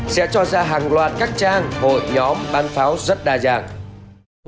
sẽ cho ra hàng loạt các trang hội nhóm bán pháo rất đa dạng